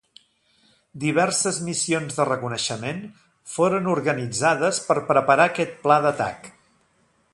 Diverses missions de reconeixement foren organitzades per preparar aquest pla d'atac.